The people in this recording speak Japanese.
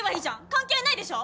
関係ないでしょ？